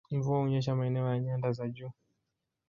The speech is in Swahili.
Mvua hunyesha maeneo ya nyanda za juu